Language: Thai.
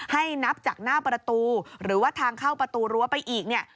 ให้นับจากหน้าประตูหรือว่าทางเข้าประตูรั้วไปอีกเนี่ย